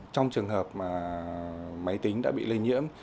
trong trường hợp máy tính đã bị lây nhiễm